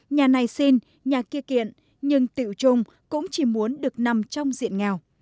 nhà này xin nhà kia kiện nhưng tựu chung cũng chỉ muốn được nằm trong diện nghèo